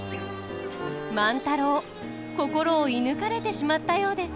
万太郎心を射ぬかれてしまったようです。